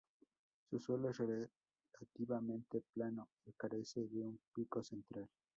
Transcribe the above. Su suelo es relativamente plano y carece de un pico central.